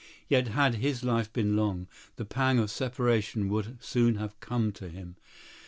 Yet had his life been long, the pang of separation would soon have come to him.